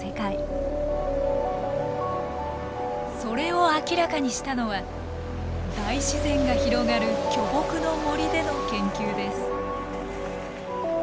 それを明らかにしたのは大自然が広がる巨木の森での研究です。